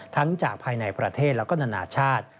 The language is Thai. จากภายในประเทศและก็นานาชาติ